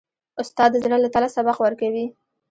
استاد د زړه له تله سبق ورکوي.